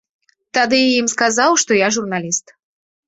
Тады я ім сказаў, што я журналіст.